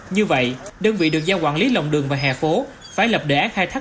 như vậy đơn vị được giao quản lý lòng đường và hè phố phải lập đề án khai thác